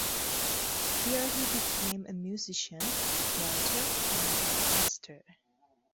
Here he became a musician, writer and broadcaster.